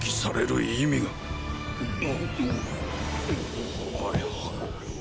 ・あれは？